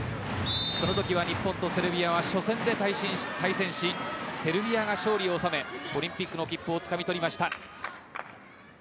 そのときは日本とセルビアは初戦で対戦しセルビアが勝利を収めオリンピックの切符をつかみ取りました。